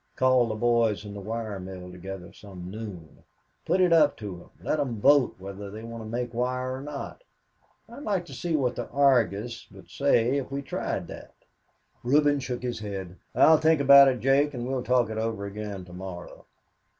Call the boys in the wire mill together some noon. Put it up to 'em. Let 'em vote whether they want to make wire or not. I'd like to see what the Argus would say if we tried that." Reuben shook his head. "I'll think about it, Jake, and we'll talk it over again to morrow."